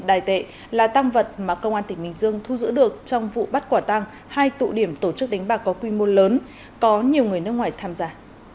hai mươi bảy đài tệ là tăng vật mà công an tp hcm thu giữ được trong vụ bắt quả tăng hai tụ điểm tổ chức đánh bạc có quy mô lớn có nhiều người nước ngoài tham gia